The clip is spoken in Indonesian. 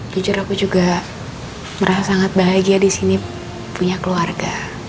jujur aku juga merasa sangat bahagia disini punya keluarga